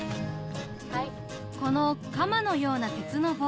このカマのような鉄の棒